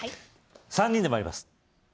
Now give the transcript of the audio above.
３人で参ります